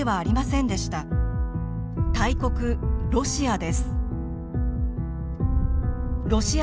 大国ロシアです。